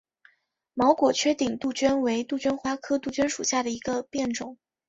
毛果缺顶杜鹃为杜鹃花科杜鹃属下的一个变种。